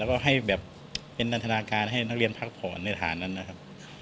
แล้วก็ให้แบบเป็นนันทนาการให้นักเรียนพักผ่อนในฐานนั้นนะครับ